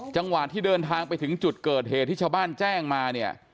จังหวัดที่เดินทางไปจุดเกิดเหตุที่ชาวบ้านแจ้งมา